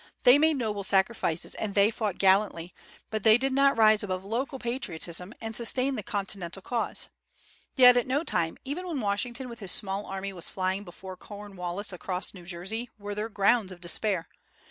They made noble sacrifices and they fought gallantly, but they did not rise above local patriotism and sustain the Continental cause. Yet at no time, even when Washington with his small army was flying before Cornwallis across New Jersey, were there grounds of despair.